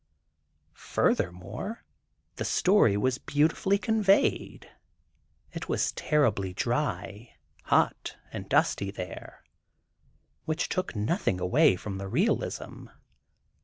Furthermore, the story was beautifully conveyed. It was terribly dry, hot and dusty there, which took nothing away from the realism.